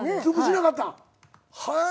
はい。